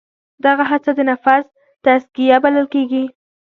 دغه هڅه د نفس تزکیه بلل کېږي.